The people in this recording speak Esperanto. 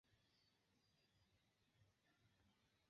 Ni do investu strategie.